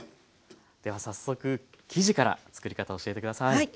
では早速生地からつくり方を教えて下さい。